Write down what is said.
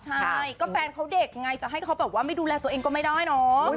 ใช่ก็แฟนเขาเด็กไงจะให้เขาแบบว่าไม่ดูแลตัวเองก็ไม่ได้เนอะ